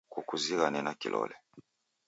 Kukuzighane na kilole.